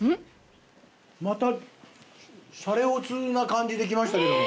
またシャレオツな感じできましたけども。